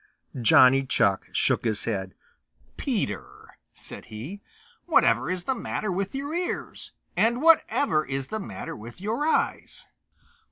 Johnny Chuck shook his head. "Peter," said he, "whatever is the matter with your ears? And whatever is the matter with your eyes?"